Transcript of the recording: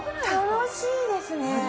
楽しいですね。